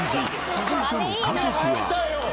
続いての家族は］